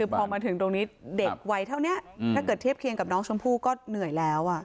พอมาถึงตรงนี้เด็กวัยเท่านี้ถ้าเกิดเทียบเคียงกับน้องชมพู่ก็เหนื่อยแล้ว